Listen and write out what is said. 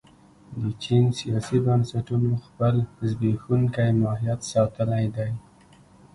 د چین سیاسي بنسټونو خپل زبېښونکی ماهیت ساتلی دی.